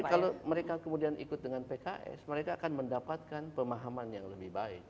tapi kalau mereka kemudian ikut dengan pks mereka akan mendapatkan pemahaman yang lebih baik